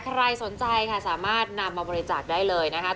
ใครสนใจค่ะสามารถนำมาบริจาคได้เลยนะคะ